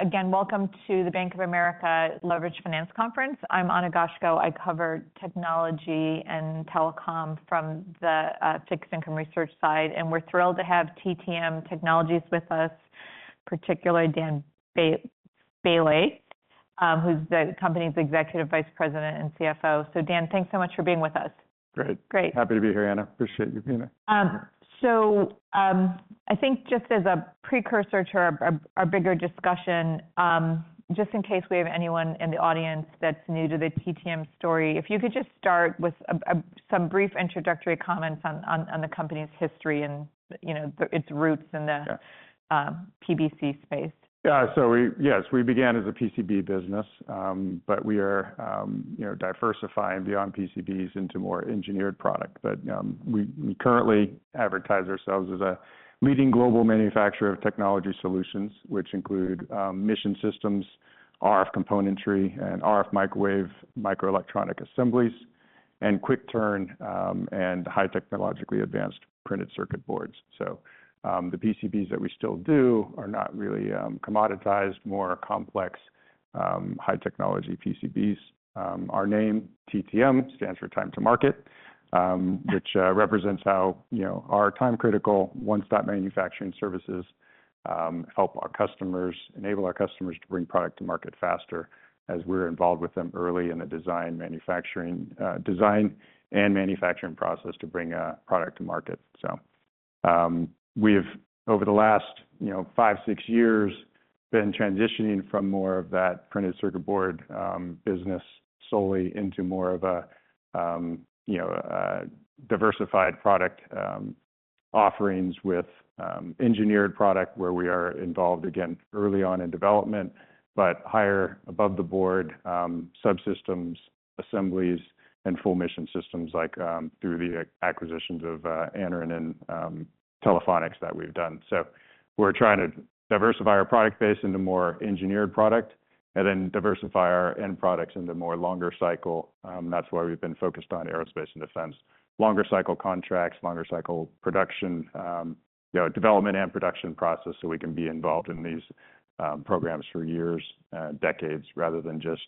Again, welcome to the Bank of America Leveraged Finance Conference. I'm Anna Goshko. I cover technology and telecom from the fixed income research side, and we're thrilled to have TTM Technologies with us, particularly Dan Boehle, who's the company's Executive Vice President and CFO. Dan, thanks so much for being with us. Great. Great. Happy to be here, Anna. Appreciate you being here. So I think just as a precursor to our bigger discussion, just in case we have anyone in the audience that's new to the TTM story, if you could just start with some brief introductory comments on the company's history and its roots in the PCB space. Yeah. So yes, we began as a PCB business, but we are diversifying beyond PCBs into more engineered product. But we currently advertise ourselves as a leading global manufacturer of technology solutions, which include mission systems, RF componentry, and RF microwave microelectronic assemblies, and quick turn, and high technologically advanced printed circuit boards. So the PCBs that we still do are not really commoditized, more complex high technology PCBs. Our name, TTM, stands for time to market, which represents how our time critical one-stop manufacturing services help our customers, enable our customers to bring product to market faster as we're involved with them early in the design and manufacturing process to bring product to market. We have, over the last five, six years, been transitioning from more of that printed circuit board business solely into more of a diversified product offerings with engineered product where we are involved, again, early on in development, but higher above the board subsystems, assemblies, and full mission systems through the acquisitions of Anaren and Telephonics that we've done. We're trying to diversify our product base into more engineered product and then diversify our end products into more longer cycle. That's why we've been focused on aerospace and defense, longer cycle contracts, longer cycle production, development and production process so we can be involved in these programs for years and decades rather than just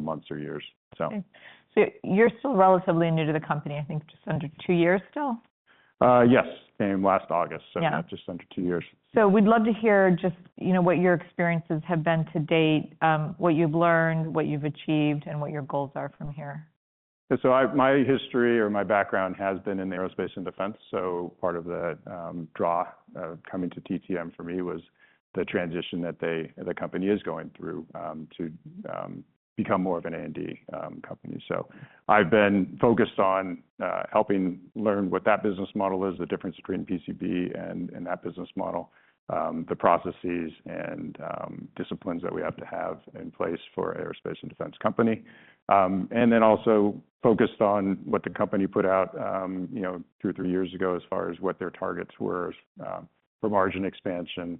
months or years. So you're still relatively new to the company, I think just under two years still? Yes. Came last August, so just under two years. So we'd love to hear just what your experiences have been to date, what you've learned, what you've achieved, and what your goals are from here. So my history or my background has been in aerospace and defense. So part of the draw coming to TTM for me was the transition that the company is going through to become more of an A&D company. So I've been focused on helping learn what that business model is, the difference between PCB and that business model, the processes and disciplines that we have to have in place for aerospace and defense company. And then also focused on what the company put out two or three years ago as far as what their targets were for margin expansion.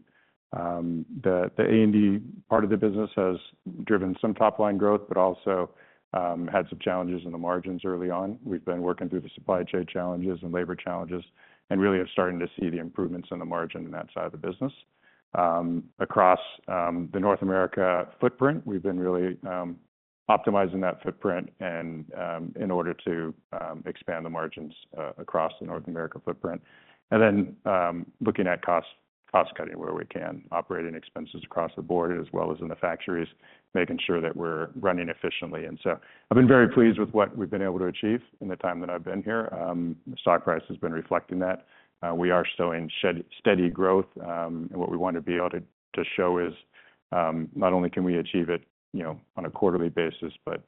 The A&D part of the business has driven some top line growth, but also had some challenges in the margins early on. We've been working through the supply chain challenges and labor challenges and really are starting to see the improvements in the margin and that side of the business. Across the North America footprint, we've been really optimizing that footprint in order to expand the margins across the North America footprint, and then looking at cost cutting where we can, operating expenses across the board as well as in the factories, making sure that we're running efficiently, and so I've been very pleased with what we've been able to achieve in the time that I've been here. Stock price has been reflecting that. We are still in steady growth, and what we want to be able to show is not only can we achieve it on a quarterly basis, but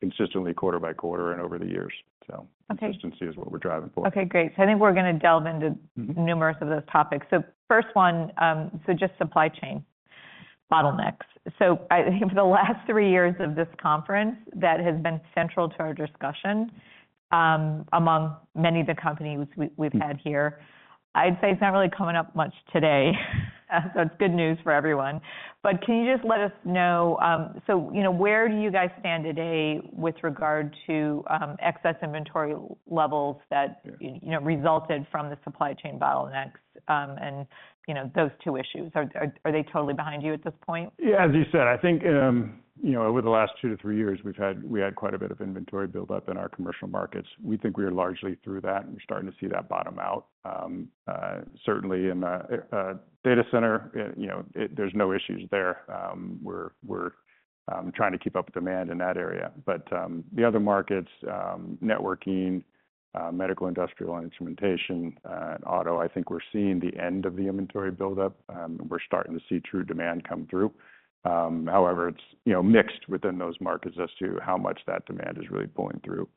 consistently quarter by quarter and over the years, so consistency is what we're driving for. Okay. Great. So I think we're going to delve into numerous of those topics. So first one, so just supply chain bottlenecks. So I think for the last three years of this conference, that has been central to our discussion among many of the companies we've had here. I'd say it's not really coming up much today. So it's good news for everyone. But can you just let us know, so where do you guys stand today with regard to excess inventory levels that resulted from the supply chain bottlenecks and those two issues? Are they totally behind you at this point? Yeah. As you said, I think over the last two to three years, we had quite a bit of inventory buildup in our commercial markets. We think we are largely through that. We're starting to see that bottom out. Certainly in the data center, there's no issues there. We're trying to keep up with demand in that area. But the other markets, networking, medical industrial instrumentation, and auto, I think we're seeing the end of the inventory buildup. We're starting to see true demand come through. However, it's mixed within those markets as to how much that demand is really pulling through.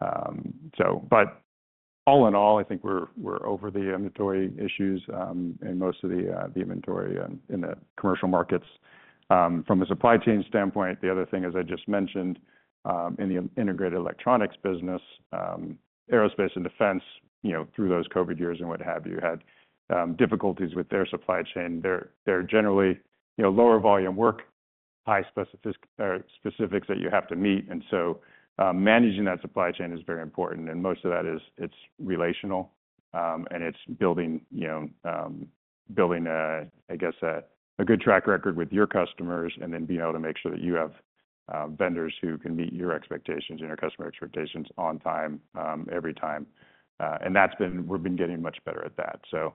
But all in all, I think we're over the inventory issues in most of the inventory in the commercial markets. From a supply chain standpoint, the other thing, as I just mentioned, in the integrated electronics business, Aerospace and Defense, through those COVID years and what have you, had difficulties with their supply chain. They're generally lower volume work, high specifics that you have to meet. And so managing that supply chain is very important. And most of that is relational, and it's building a, I guess, a good track record with your customers and then being able to make sure that you have vendors who can meet your expectations and your customer expectations on time every time. And we've been getting much better at that. So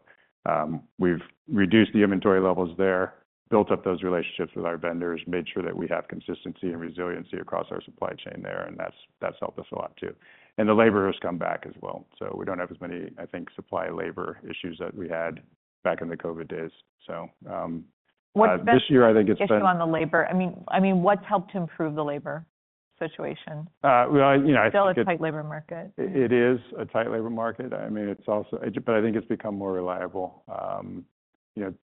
we've reduced the inventory levels there, built up those relationships with our vendors, made sure that we have consistency and resiliency across our supply chain there. And that's helped us a lot too. And the labor has come back as well. So we don't have as many, I think, supply labor issues that we had back in the COVID days. So this year, I think it's been. Just on the labor, I mean, what's helped to improve the labor situation? Well, you know. Still a tight labor market. It is a tight labor market. I mean, but I think it's become more reliable.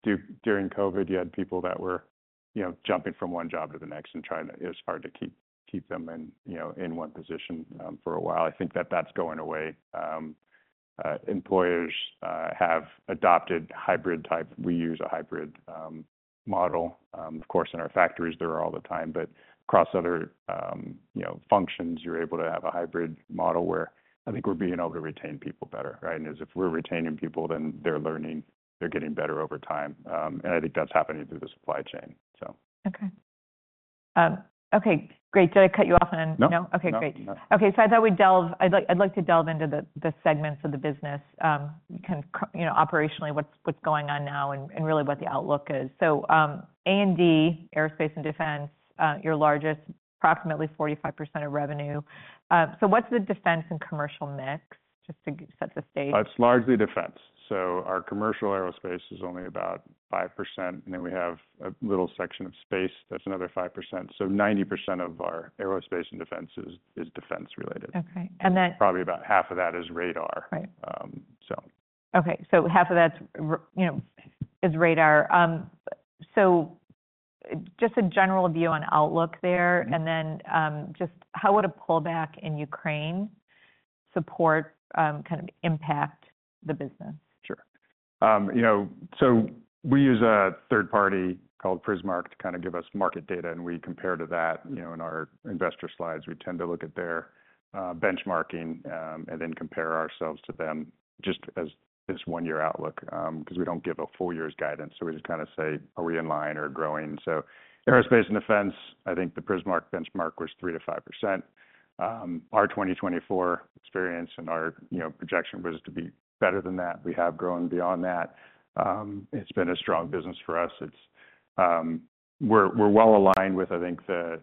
During COVID, you had people that were jumping from one job to the next and trying to, it's hard to keep them in one position for a while. I think that that's going away. Employers have adopted hybrid type. We use a hybrid model. Of course, in our factories, they're there all the time, but across other functions, you're able to have a hybrid model where I think we're being able to retain people better, and if we're retaining people, then they're learning, they're getting better over time, and I think that's happening through the supply chain. Okay. Okay. Great. Did I cut you off? No. I'd like to delve into the segments of the business, kind of operationally, what's going on now and really what the outlook is. A&D, aerospace and defense, your largest, approximately 45% of revenue. What's the defense and commercial mix just to set the stage? It's largely defense. So our commercial aerospace is only about 5%. And then we have a little section of space that's another 5%. So 90% of our aerospace and defense is defense related. Okay and then. Probably about half of that is radar. Right. Okay. So half of that is radar. So just a general view on outlook there. And then just how would a pullback in Ukraine support kind of impact the business? Sure. So we use a third party called Prismark to kind of give us market data. And we compare to that in our investor slides. We tend to look at their benchmarking and then compare ourselves to them just as this one-year outlook because we don't give a full year's guidance. So we just kind of say, are we in line or growing? So aerospace and defense, I think the Prismark benchmark was 3%-5%. Our 2024 experience and our projection was to be better than that. We have grown beyond that. It's been a strong business for us. We're well aligned with, I think, the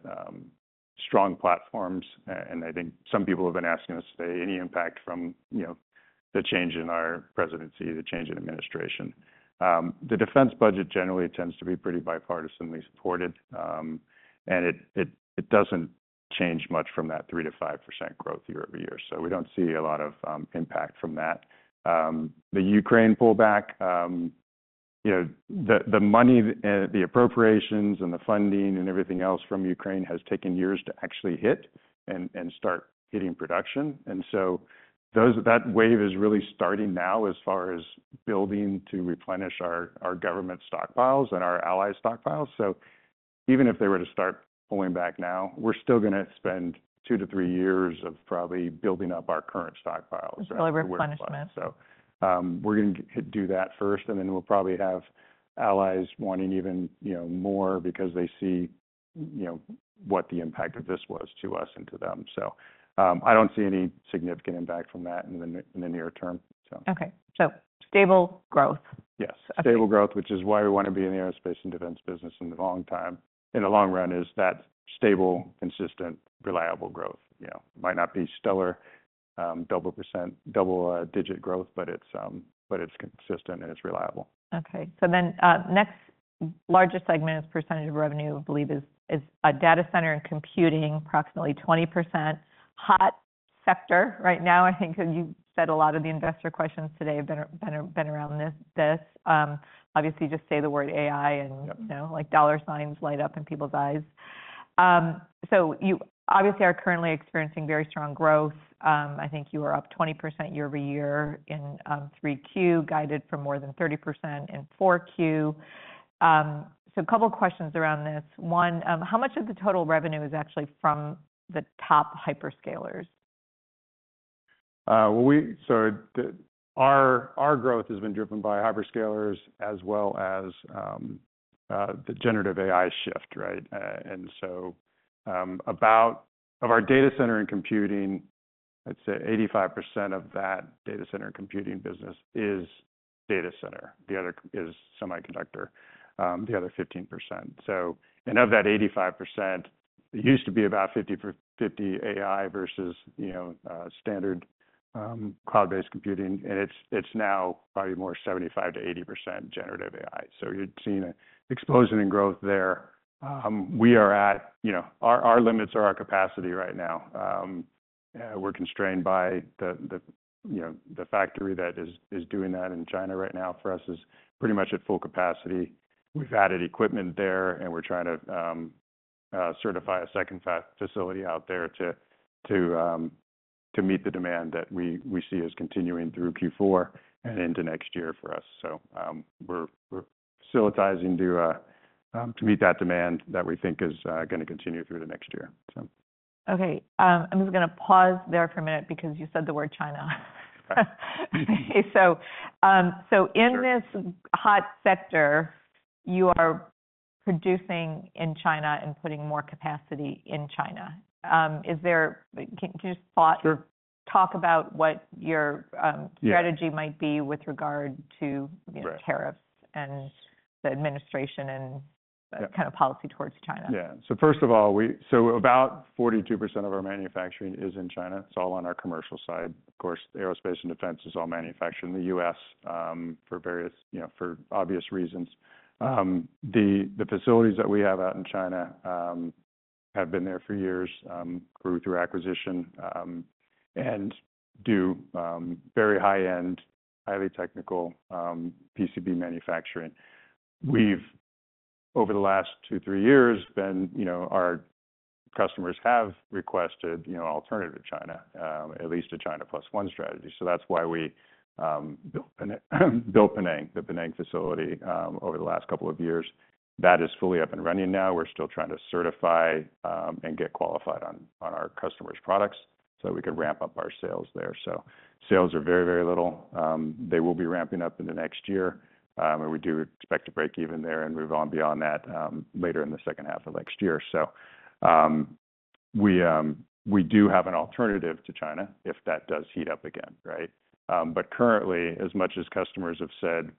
strong platforms. And I think some people have been asking us today, any impact from the change in our presidency, the change in administration? The defense budget generally tends to be pretty bipartisanly supported. And it doesn't change much from that 3% to 5% growth year over year. So we don't see a lot of impact from that. The Ukraine pullback, the money, the appropriations, and the funding and everything else from Ukraine has taken years to actually hit and start hitting production. And so that wave is really starting now as far as building to replenish our government stockpiles and our ally stockpiles. So even if they were to start pulling back now, we're still going to spend two to three years of probably building up our current stockpiles. It's still a replenishment. So we're going to do that first. And then we'll probably have allies wanting even more because they see what the impact of this was to us and to them. So I don't see any significant impact from that in the near term. Okay, so stable growth. Yes. Stable growth, which is why we want to be in the aerospace and defense business in the long run, is that stable, consistent, reliable growth. It might not be stellar double-digit growth, but it's consistent and it's reliable. Okay. So then next larger segment is percentage of revenue, I believe, is data center and computing, approximately 20%. Hot sector right now, I think you said a lot of the investor questions today have been around this. Obviously, just say the word AI and dollar signs light up in people's eyes. So you obviously are currently experiencing very strong growth. I think you are up 20% year over year in 3Q, guided for more than 30% in 4Q. So a couple of questions around this. One, how much of the total revenue is actually from the top hyperscalers? So our growth has been driven by hyperscalers as well as the Generative AI shift, right? And so about 85% of our data center and computing, I'd say 85% of that data center and computing business is data center. The other is semiconductor, the other 15%. So and of that 85%, it used to be about 50% AI versus standard cloud-based computing. And it's now probably more 75% to 80% Generative AI. So you're seeing an explosion in growth there. We are at our limits or our capacity right now. We're constrained by the factory that is doing that in China right now for us is pretty much at full capacity. We've added equipment there, and we're trying to certify a second facility out there to meet the demand that we see as continuing through Q4 and into next year for us. So we're facilitating to meet that demand that we think is going to continue through the next year. Okay. I'm just going to pause there for a minute because you said the word China. So in this hot sector, you are producing in China and putting more capacity in China. Can you just talk about what your strategy might be with regard to tariffs and the administration and kind of policy towards China? Yeah. So first of all, so about 42% of our manufacturing is in China. It's all on our commercial side. Of course, aerospace and defense is all manufactured in the U.S. for obvious reasons. The facilities that we have out in China have been there for years, grew through acquisition, and do very high-end, highly technical PCB manufacturing. We've, over the last two, three years, been our customers have requested an alternative to China, at least a China plus one strategy. So that's why we built Penang, the Penang facility over the last couple of years. That is fully up and running now. We're still trying to certify and get qualified on our customers' products so that we could ramp up our sales there. So sales are very, very little. They will be ramping up in the next year. We do expect to break even there and move on beyond that later in the second half of next year. We do have an alternative to China if that does heat up again, right? Currently, as much as customers have said,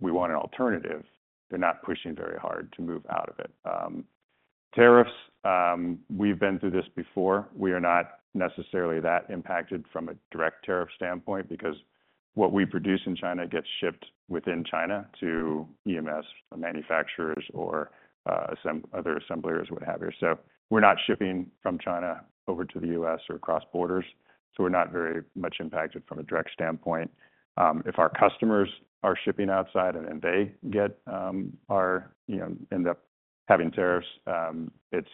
we want an alternative, they're not pushing very hard to move out of it. Tariffs, we've been through this before. We are not necessarily that impacted from a direct tariff standpoint because what we produce in China gets shipped within China to EMS manufacturers or other assemblers, what have you. We're not shipping from China over to the U.S. or across borders. We're not very much impacted from a direct standpoint. If our customers are shipping outside and then they end up having tariffs, it's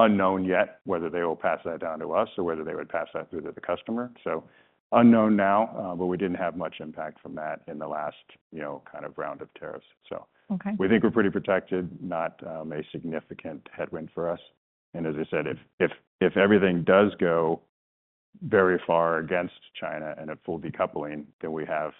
unknown yet whether they will pass that down to us or whether they would pass that through to the customer. So unknown now, but we didn't have much impact from that in the last kind of round of tariffs. So we think we're pretty protected, not a significant headwind for us. And as I said, if everything does go very far against China and a full decoupling, then we have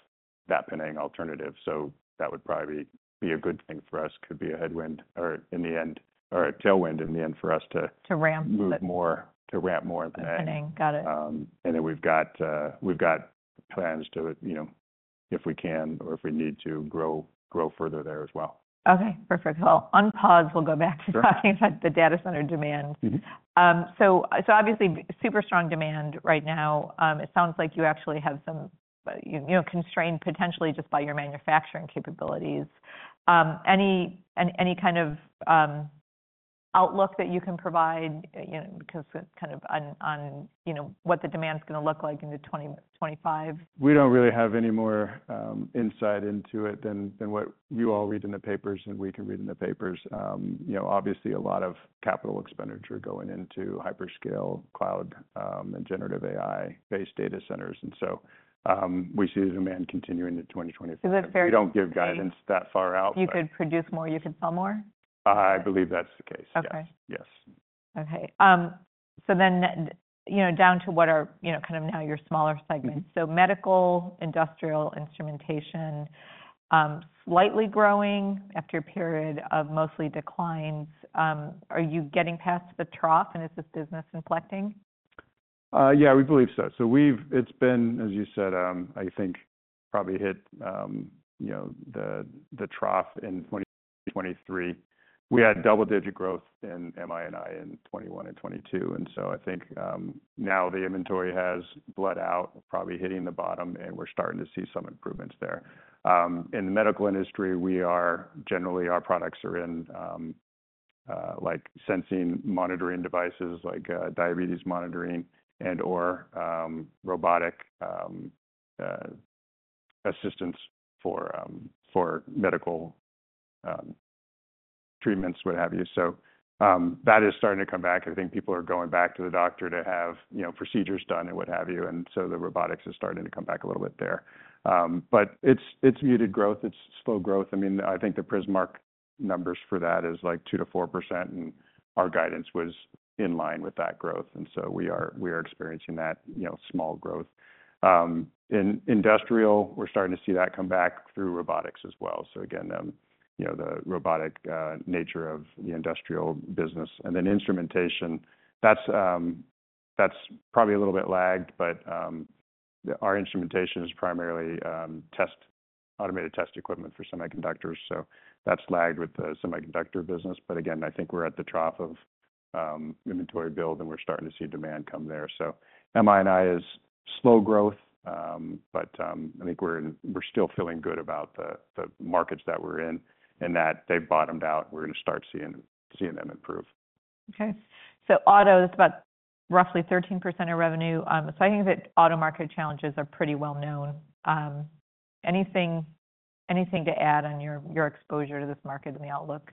that Penang alternative. So that would probably be a good thing for us. Could be a headwind or in the end, or a tailwind in the end for us too. To ramp. Move more, to ramp more in Penang. To Penang. Got it. And then we've got plans to, if we can or if we need to grow further there as well. Okay. Perfect. Well, on pause, we'll go back to talking about the data center demand. So obviously, super strong demand right now. It sounds like you actually have some constraint potentially just by your manufacturing capabilities. Any kind of outlook that you can provide kind of on what the demand's going to look like into 2025? We don't really have any more insight into it than what you all read in the papers and we can read in the papers. Obviously, a lot of capital expenditure going into hyperscale cloud and generative AI-based data centers. And so we see the demand continuing in 2024. Is it fair? We don't give guidance that far out. You could produce more, you could sell more? I believe that's the case. Yes. Okay. Okay. So then down to what are kind of now your smaller segments? So medical, industrial, instrumentation, slightly growing after a period of mostly declines. Are you getting past the trough and is this business inflecting? Yeah, we believe so. So it's been, as you said, I think probably hit the trough in 2023. We had double-digit growth in MII in 2021 and 2022. And so I think now the inventory has bled out, probably hitting the bottom, and we're starting to see some improvements there. In the medical industry, we are generally, our products are in sensing monitoring devices like diabetes monitoring and/or robotic assistance for medical treatments, what have you. So that is starting to come back. I think people are going back to the doctor to have procedures done and what have you. And so the robotics is starting to come back a little bit there. But it's muted growth. It's slow growth. I mean, I think the Prismark numbers for that is like 2%-4%. And our guidance was in line with that growth. And so we are experiencing that small growth. In industrial, we're starting to see that come back through robotics as well. So again, the robotic nature of the industrial business. And then instrumentation, that's probably a little bit lagged, but our instrumentation is primarily automated test equipment for semiconductors. So that's lagged with the semiconductor business. But again, I think we're at the trough of inventory build and we're starting to see demand come there. So MII is slow growth, but I think we're still feeling good about the markets that we're in and that they've bottomed out. We're going to start seeing them improve. Okay. So auto, that's about roughly 13% of revenue. So I think that auto market challenges are pretty well known. Anything to add on your exposure to this market and the outlook?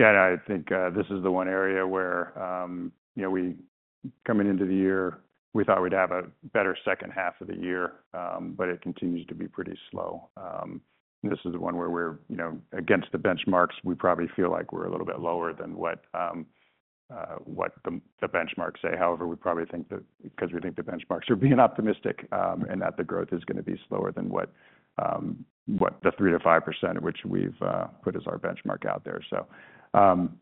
Yeah. I think this is the one area where coming into the year, we thought we'd have a better second half of the year, but it continues to be pretty slow. This is the one where we're against the benchmarks. We probably feel like we're a little bit lower than what the benchmarks say. However, we probably think that because we think the benchmarks are being optimistic and that the growth is going to be slower than what the 3% to 5% of which we've put as our benchmark out there. So primarily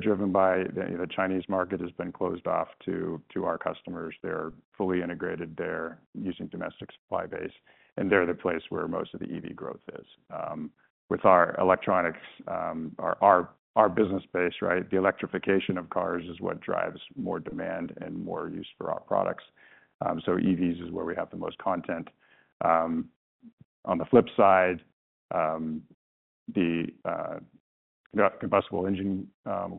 driven by the Chinese market has been closed off to our customers. They're fully integrated. They're using domestic supply base. And they're the place where most of the EV growth is. With our electronics, our business base, right, the electrification of cars is what drives more demand and more use for our products. So EVs is where we have the most content. On the flip side, the combustion engine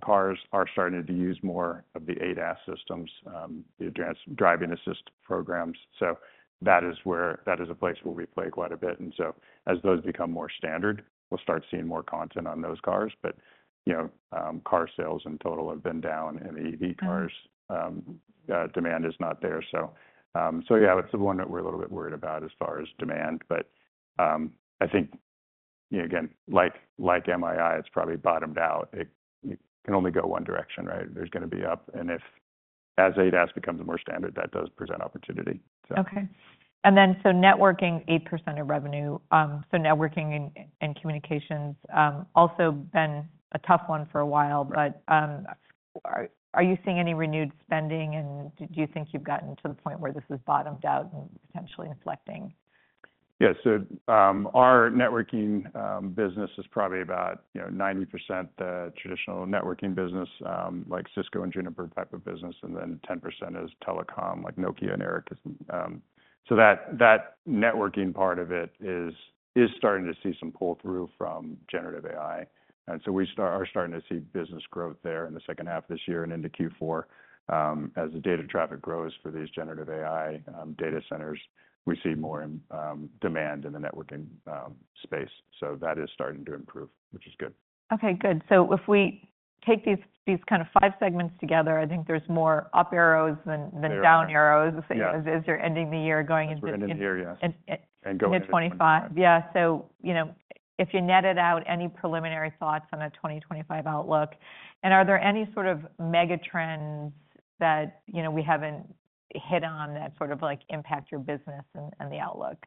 cars are starting to use more of the ADAS systems, the advanced driving assist programs. So that is a place where we play quite a bit. And so as those become more standard, we'll start seeing more content on those cars. But car sales in total have been down and the EV cars demand is not there. So yeah, it's the one that we're a little bit worried about as far as demand. But I think, again, like MII, it's probably bottomed out. It can only go one direction, right? There's going to be up. And if as ADAS becomes more standard, that does present opportunity. Okay. And then so networking, 8% of revenue. So networking and communications also been a tough one for a while, but are you seeing any renewed spending and do you think you've gotten to the point where this has bottomed out and potentially inflecting? Yeah. So our networking business is probably about 90% the traditional networking business like Cisco and Juniper type of business, and then 10% is telecom like Nokia and Ericsson. So that networking part of it is starting to see some pull-through from Generative AI. And so we are starting to see business growth there in the second half of this year and into Q4. As the data traffic grows for these Generative AI data centers, we see more demand in the networking space. So that is starting to improve, which is good. Okay. Good. So if we take these kind of five segments together, I think there's more up arrows than down arrows as you're ending the year going into. So we're ending the year, yes, and going into. 2025. Yeah. So if you net it out, any preliminary thoughts on a 2025 outlook? And are there any sort of mega trends that we haven't hit on that sort of impact your business and the outlook?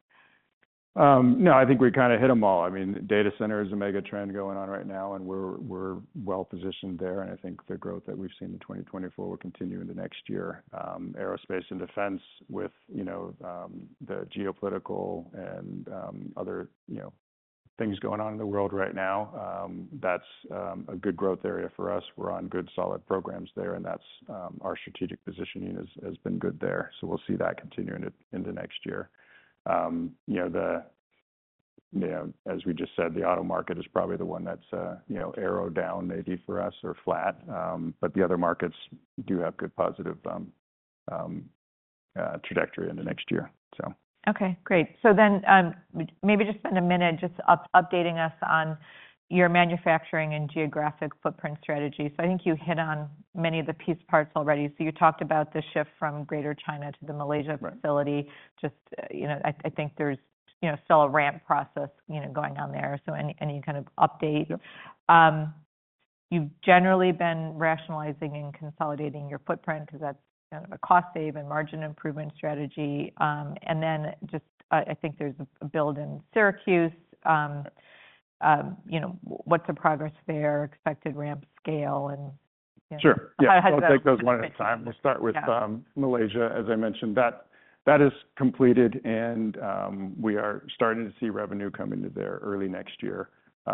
No, I think we kind of hit them all. I mean, data center is a mega trend going on right now, and we're well positioned there. And I think the growth that we've seen in 2024 will continue into next year. Aerospace and Defense with the geopolitical and other things going on in the world right now, that's a good growth area for us. We're on good solid programs there, and our strategic positioning has been good there. So we'll see that continue into next year. As we just said, the auto market is probably the one that's arrowed down maybe for us or flat, but the other markets do have good positive trajectory into next year, so. Okay. Great. So then maybe just spend a minute just updating us on your manufacturing and geographic footprint strategy. So I think you hit on many of the piece parts already. So you talked about the shift from Greater China to the Malaysia facility. Just I think there's still a ramp process going on there. So any kind of update? Yep. You've generally been rationalizing and consolidating your footprint because that's kind of a cost-save and margin improvement strategy. And then just I think there's a build in Syracuse. What's the progress there? Expected ramp scale and. Sure. I'll take those one at a time. We'll start with Malaysia. As I mentioned, that is completed, and we are starting to see revenue come into there early next year.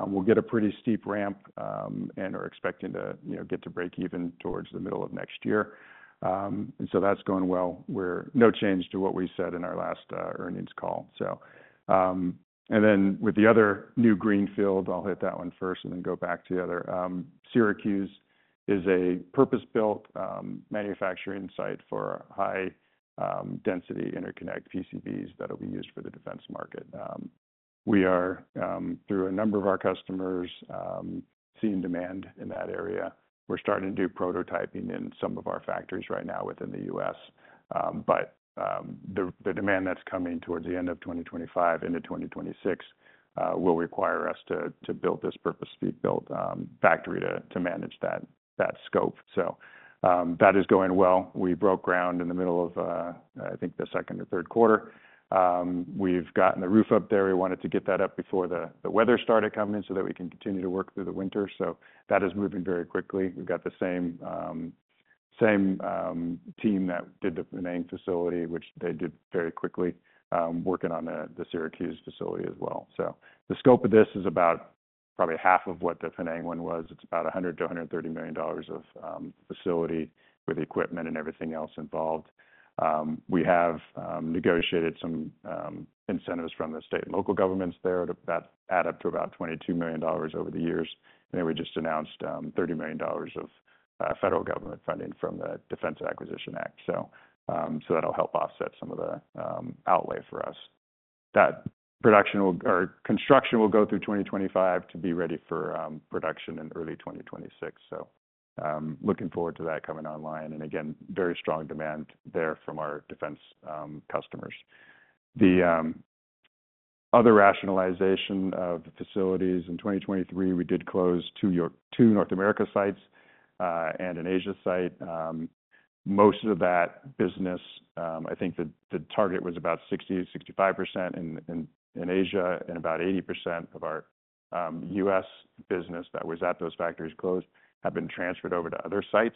We'll get a pretty steep ramp and are expecting to get to break even towards the middle of next year. And so that's going well. No change to what we said in our last earnings call. And then with the other new greenfield, I'll hit that one first and then go back to the other. Syracuse is a purpose-built manufacturing site for high-density interconnect PCBs that will be used for the defense market. We are, through a number of our customers, seeing demand in that area. We're starting to do prototyping in some of our factories right now within the U.S. But the demand that's coming towards the end of 2025, end of 2026, will require us to build this purpose-built factory to manage that scope. So that is going well. We broke ground in the middle of, I think, the second or third quarter. We've gotten the roof up there. We wanted to get that up before the weather started coming in so that we can continue to work through the winter. So that is moving very quickly. We've got the same team that did the Penang facility, which they did very quickly, working on the Syracuse facility as well. So the scope of this is about probably half of what the Penang one was. It's about $100 to $130 million of facility with equipment and everything else involved. We have negotiated some incentives from the state and local governments there that add up to about $22 million over the years. Then we just announced $30 million of federal government funding from the Defense Production Act. That'll help offset some of the outlay for us. That production or construction will go through 2025 to be ready for production in early 2026. Looking forward to that coming online. Again, very strong demand there from our defense customers. The other rationalization of facilities in 2023, we did close two North America sites and an Asia site. Most of that business, I think the target was about 60% to 65% in Asia and about 80% of our U.S. business that was at those factories closed had been transferred over to other sites.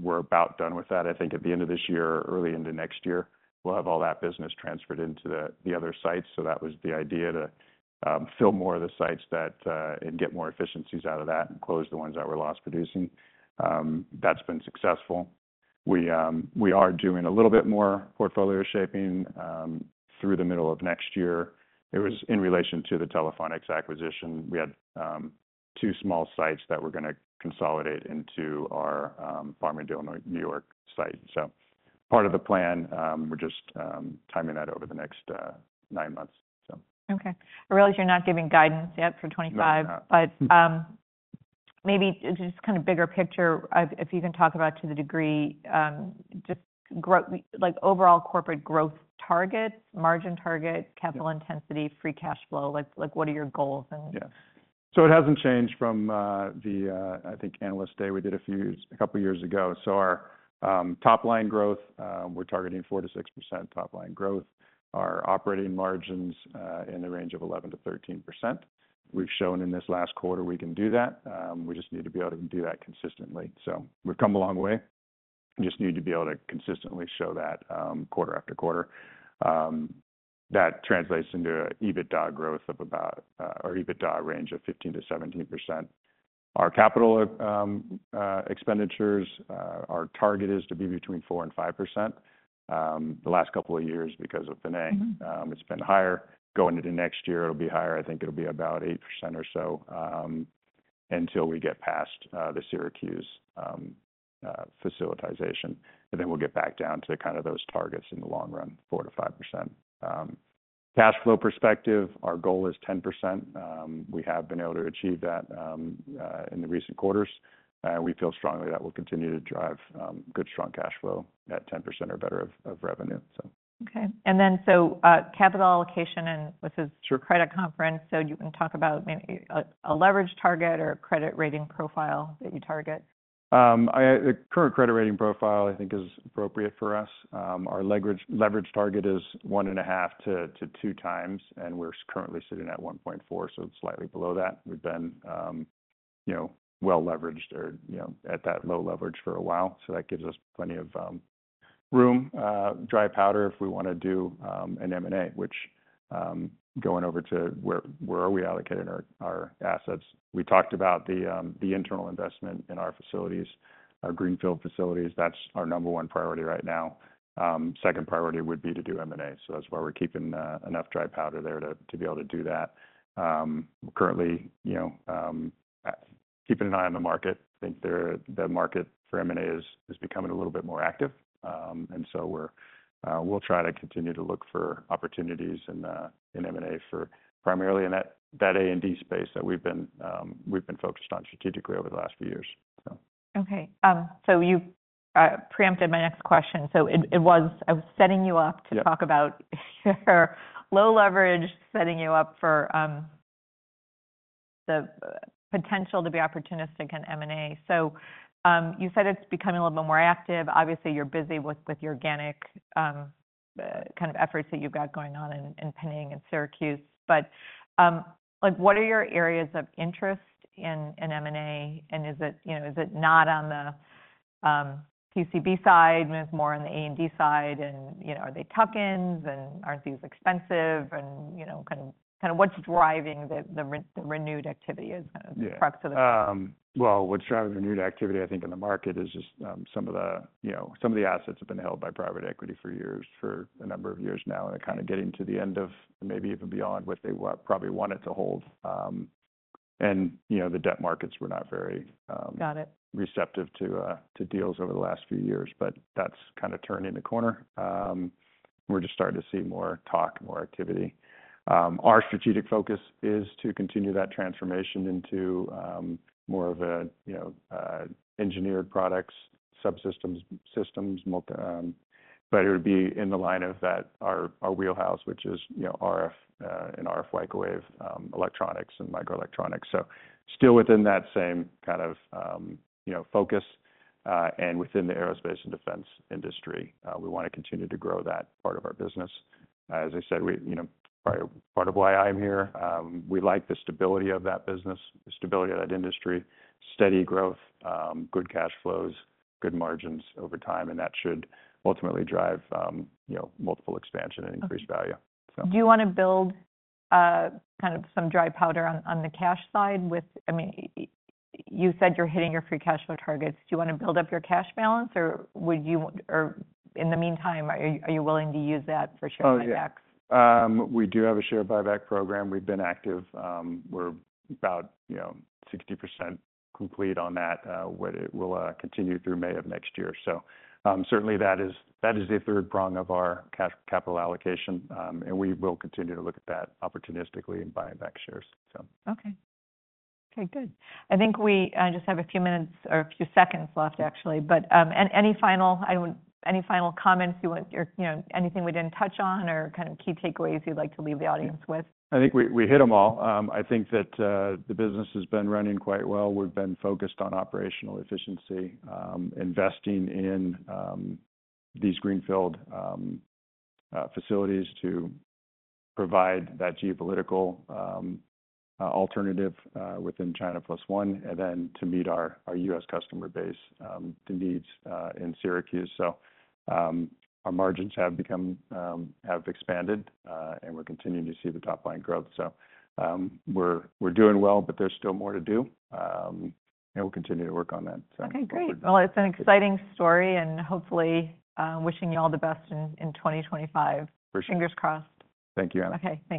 We're about done with that. I think at the end of this year, early into next year, we'll have all that business transferred into the other sites. So that was the idea to fill more of the sites and get more efficiencies out of that and close the ones that were lost producing. That's been successful. We are doing a little bit more portfolio shaping through the middle of next year. It was in relation to the Telephonics acquisition. We had two small sites that we're going to consolidate into our Farmingdale, New York site. So part of the plan, we're just timing that over the next nine months, so. Okay. I realize you're not giving guidance yet for 2025, but maybe just kind of bigger picture, if you can talk about to the degree just overall corporate growth targets, margin targets, capital intensity, free cash flow. What are your goals? Yeah. So it hasn't changed from the, I think, analyst day we did a couple of years ago. So our top-line growth, we're targeting 4% to 6% top-line growth. Our operating margins in the range of 11% to 13%. We've shown in this last quarter we can do that. We just need to be able to do that consistently. So we've come a long way. We just need to be able to consistently show that quarter after quarter. That translates into an EBITDA growth of about our EBITDA range of 15% to 17%. Our capital expenditures, our target is to be between 4% and 5%. The last couple of years because of Penang, it's been higher. Going into next year, it'll be higher. I think it'll be about 8% or so until we get past the Syracuse facilitization. And then we'll get back down to kind of those targets in the long run, 4% to 5%. Cash flow perspective, our goal is 10%. We have been able to achieve that in the recent quarters. And we feel strongly that we'll continue to drive good, strong cash flow at 10% or better of revenue, so. Okay. And then so capital allocation, and this is credit conference. So you can talk about a leverage target or a credit rating profile that you target. The current credit rating profile, I think, is appropriate for us. Our leverage target is one and a half to two times, and we're currently sitting at 1.4, so it's slightly below that. We've been well leveraged or at that low leverage for a while. So that gives us plenty of room, dry powder if we want to do an M&A, which going over to where are we allocating our assets. We talked about the internal investment in our facilities, our greenfield facilities. That's our number one priority right now. Second priority would be to do M&A. So that's why we're keeping enough dry powder there to be able to do that. Currently, keeping an eye on the market. I think the market for M&A is becoming a little bit more active. And so we'll try to continue to look for opportunities in M&A for primarily in that A and D space that we've been focused on strategically over the last few years, so. Okay. So you preempted my next question. So I was setting you up to talk about your low leverage, setting you up for the potential to be opportunistic in M&A. So you said it's becoming a little bit more active. Obviously, you're busy with your organic kind of efforts that you've got going on in Penang and Syracuse. But what are your areas of interest in M&A? And is it not on the PCB side? Is it more on the A and D side? And are they tuck-ins? And aren't these expensive? And kind of what's driving the renewed activity as kind of the crux of the question? What's driving the renewed activity, I think, in the market is just some of the assets have been held by private equity for years, for a number of years now, and they're kind of getting to the end of and maybe even beyond what they probably wanted to hold. And the debt markets were not very receptive to deals over the last few years, but that's kind of turning the corner. We're just starting to see more talk, more activity. Our strategic focus is to continue that transformation into more of an engineered products, subsystems, systems. But it would be in the line of our wheelhouse, which is RF and RF microwave electronics and microelectronics. So still within that same kind of focus. And within the aerospace and defense industry, we want to continue to grow that part of our business. As I said, part of why I'm here, we like the stability of that business, the stability of that industry, steady growth, good cash flows, good margins over time, and that should ultimately drive multiple expansion and increased value, so. Do you want to build kind of some dry powder on the cash side with, I mean, you said you're hitting your free cash flow targets. Do you want to build up your cash balance, or in the meantime, are you willing to use that for share buybacks? We do have a share buyback program. We've been active. We're about 60% complete on that. We'll continue through May of next year. So certainly, that is the third prong of our capital allocation. And we will continue to look at that opportunistically in buying back shares, so. Okay. Okay. Good. I think we just have a few minutes or a few seconds left, actually. But any final comments you want, anything we didn't touch on or kind of key takeaways you'd like to leave the audience with? I think we hit them all. I think that the business has been running quite well. We've been focused on operational efficiency, investing in these greenfield facilities to provide that geopolitical alternative within China plus one, and then to meet our U.S. customer base needs in Syracuse. So our margins have expanded, and we're continuing to see the top-line growth. So we're doing well, but there's still more to do. And we'll continue to work on that, so. Okay. Great. Well, it's an exciting story, and hopefully, wishing you all the best in 2025. For sure. Fingers crossed. Thank you, Anna. Okay.